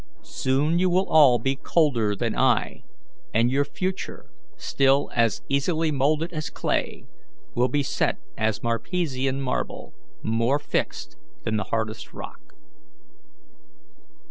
Soon you will all be colder than I, and your future, still as easily moulded as clay, will be set as Marpesian marble, more fixed than the hardest rock."